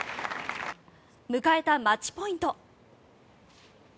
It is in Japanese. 迎えたマッチポイント。